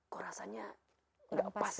kok rasanya enggak pas